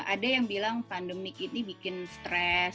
ada yang bilang pandemi ini bikin stress gitu kan